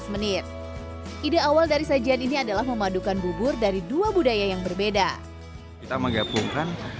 menit ide awal dari sajian ini adalah memadukan bubur dari dua budaya yang berbeda kita menggabungkan